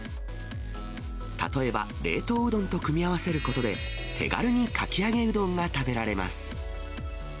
例えば冷凍うどんと組み合わせることで、手軽にかき揚げうどんが食べられます。